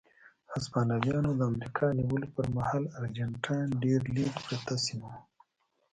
هسپانویانو د امریکا نیولو پر مهال ارجنټاین ډېره لرې پرته سیمه وه.